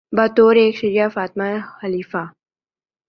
بطور ایک شیعہ فاطمی خلیفہ